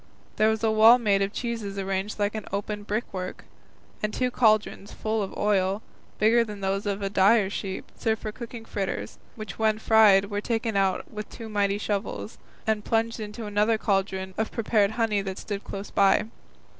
There was a wall made of cheeses arranged like open brick work, and two cauldrons full of oil, bigger than those of a dyer's shop, served for cooking fritters, which when fried were taken out with two mighty shovels, and plunged into another cauldron of prepared honey that stood close by.